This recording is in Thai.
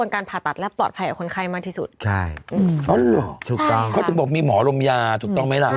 เขาจะบอกมีหมอลมยาถูกต้องไหมล่ะ